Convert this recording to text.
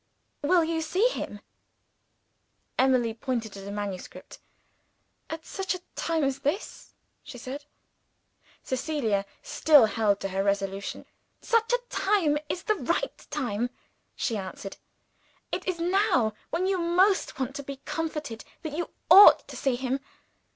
"Will you see him?" Emily pointed to the manuscript. "At such a time as this?" she said. Cecilia still held to her resolution. "Such a time as this is the right time," she answered. "It is now, when you most want to be comforted, that you ought to see him.